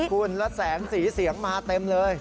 คุณแล้วแสงสีเสียงมาเต็มเลย